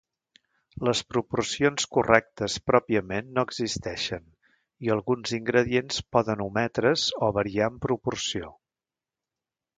Les proporcions correctes pròpiament no existeixen, i alguns ingredients poden ometre's o variar en proporció.